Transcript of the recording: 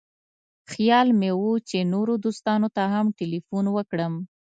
خیال مې و چې نورو دوستانو ته هم تیلفون وکړم.